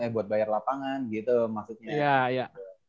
buat bayar lapangan gitu maksudnya